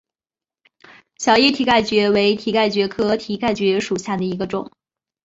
小叶蹄盖蕨为蹄盖蕨科蹄盖蕨属下的一个种。